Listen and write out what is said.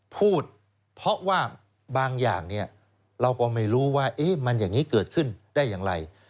พูดเพราะว่าบางอย่างเนี่ยเราก็ไม่รู้ว่ามันอย่างนี้เกิดขึ้นได้อย่างไร